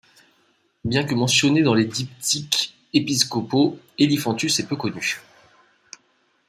Bien que mentionné dans les diptyques épiscopaux, Elifantus est peu connu.